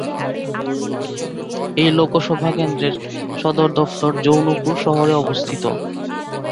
এই লোকসভা কেন্দ্রের সদর দফতর জৌনপুর শহরে অবস্থিত।